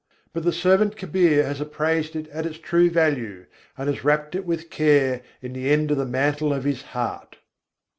But the servant Kabîr has appraised it at its true value, and has wrapped it with care in the end of the mantle of his heart.